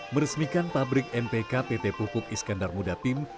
meresmikan pabrik mpk pt pupuk iskandar mudapim